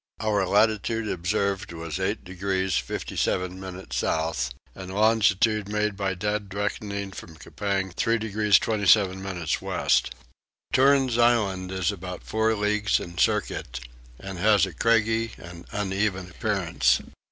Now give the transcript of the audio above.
Our latitude observed was 8 degrees 57 minutes south and longitude made by dead reckoning from Coupang 3 degrees 27 minutes west. Toorns island is about four leagues in circuit and has a craggy and uneven appearance.